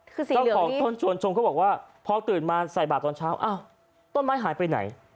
เจ้าของต้นชวนชงเขาบอกว่าพอตื่นมาใส่บาทตอนเช้าอ้าวต้นไม้หายไปไหน